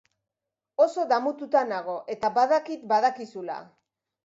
Oso damututa nago eta badakit badakizula.